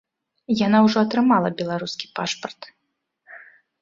Яна ўжо атрымала беларускі пашпарт.